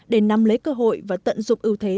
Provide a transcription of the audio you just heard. để nắm lấy cơ hội và tận dụng ưu thế